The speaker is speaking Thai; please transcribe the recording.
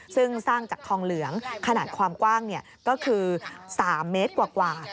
ซึ่งสร้างจากทองเหลืองขนาดความกว้างก็คือ๓เมตรกว่า